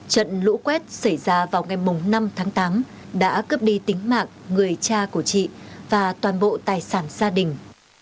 trận lũ quét xảy ra vào ngày năm tháng tám đã cướp đi tính mạng người cha của chị và toàn bộ tài sản gia đình